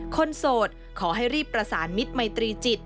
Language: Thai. โสดขอให้รีบประสานมิตรมัยตรีจิต